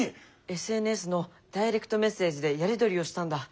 ＳＮＳのダイレクトメッセージでやり取りをしたんだ。